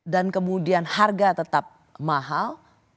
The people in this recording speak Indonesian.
dan kemudian harga tetap mahal